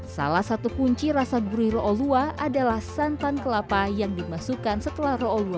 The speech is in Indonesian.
salah satu kunci rasa burih roolua adalah santan kelapa yang dimasukkan setelah roolua